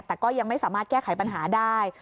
แต่ก็ยังไม่สามารถแก้ไขปัญหาได้